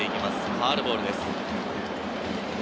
ファウルボールです。